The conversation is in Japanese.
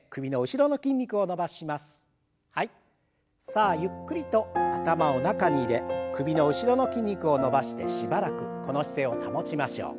さあゆっくりと頭を中に入れ首の後ろの筋肉を伸ばしてしばらくこの姿勢を保ちましょう。